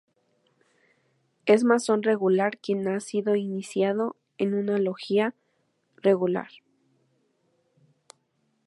Es masón regular quien ha sido iniciado en una logia regular.